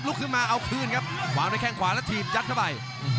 ลุกขึ้นมาเอาคืนครับหวางไว้แค่งขวาแล้วถีบจัดเข้าไป